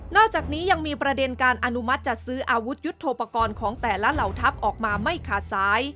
อกจากนี้ยังมีประเด็นการอนุมัติจัดซื้ออาวุธยุทธโปรกรณ์ของแต่ละเหล่าทัพออกมาไม่ขาดสาย